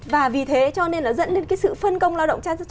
và vì thế cho nên nó dẫn đến cái sự phân công lao động trong gia đình